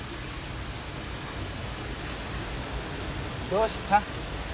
どうした？